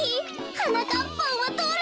はなかっぱんはどれ？